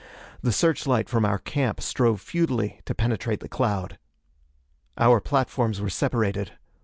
The search light from our camp strove futilely to penetrate the cloud. Our platforms were separated.